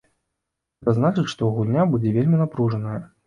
Гэта значыць, што гульня будзе вельмі напружаная.